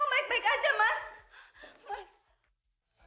oh my aku sedang lemari episode rapat